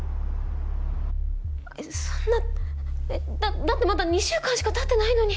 えっそんなえっだだってまだ２週間しかたってないのに。